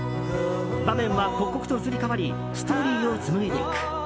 場面は刻々と移り変わりストーリーを紡いでいく。